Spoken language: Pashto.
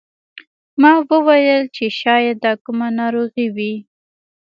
ما وویل چې شاید دا کومه ناروغي وي.